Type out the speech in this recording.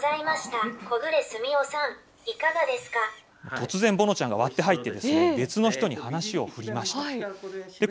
突然、ぼのちゃんが割って入って別の人に話を振ったんです。